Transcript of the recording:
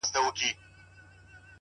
اوښکي نه راتویومه خو ژړا کړم ـ